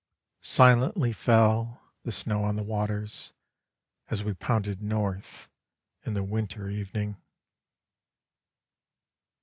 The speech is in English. Silently fell The snow on the waters, As we pounded north In the winter evening.